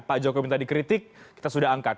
pak jokowi minta dikritik kita sudah angkat